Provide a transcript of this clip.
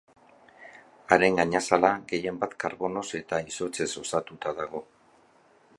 Haren gainazala gehienbat karbonoz eta izotzez osatuta dago.